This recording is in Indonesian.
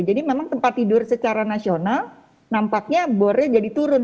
jadi memang tempat tidur secara nasional nampaknya bornya jadi turun